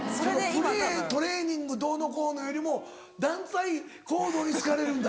トレーニングどうのこうのよりも団体行動に疲れるんだ。